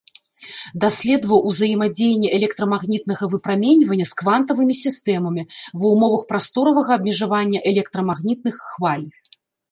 Даследаваў узаемадзеянне электрамагнітнага выпраменьвання з квантавымі сістэмамі ва ўмовах прасторавага абмежавання электрамагнітных хваль.